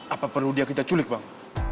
apa perlu dia kita culik bang